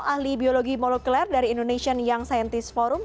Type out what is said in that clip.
ahli biologi molekuler dari indonesian young scientist forum